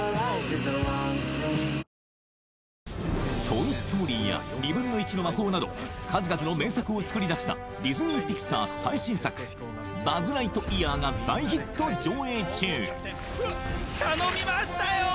「トイ・ストーリー」や「２分の１の魔法」など数々の名作を作り出したディズニー＆ピクサー最新作「バズ・ライトイヤー」が大ヒット上映中頼みましたよ！